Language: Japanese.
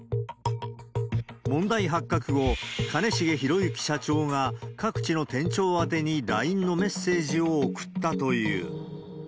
問題発覚後、兼重宏行社長が各地の店長宛てにＬＩＮＥのメッセージを送ったという。